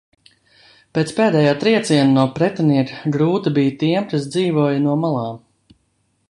"Pēc pēdējā trieciena no pretinieka, grūti bija tiem, kas dzīvoja no "malām"."